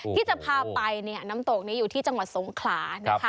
ที่จะพาไปน้ำตกนี้อยู่ที่จังหวัดสงขลานะคะ